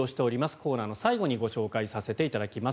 コーナーの最後にご紹介させていただきます。